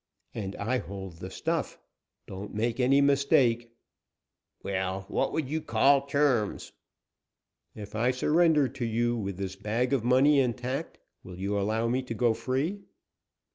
"And I hold the stuff. Don't make any mistake." "Well, what would you call terms?" "If I surrender to you, with this bag of money intact, will you allow me to go free?"